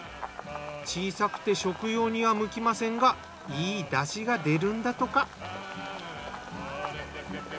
小さくて食用には向きませんがいいだしが出るんだとか。